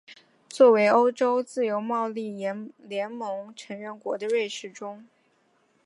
作为欧洲自由贸易联盟成员国的瑞士中。